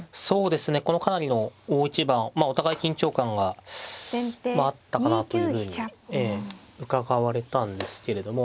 このかなりの大一番お互い緊張感があったかなというふうにうかがわれたんですけれども。